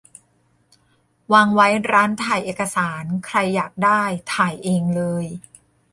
วางไว้ร้านถ่ายเอกสาร ใครอยากได้ ถ่ายเองเลย